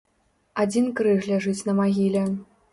Адзін крыж ляжыць на магіле.